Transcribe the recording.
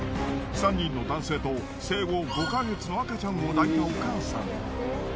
３人の男性と生後５ヵ月の赤ちゃんを抱いたお母さん。